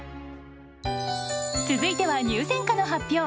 続いては入選歌の発表。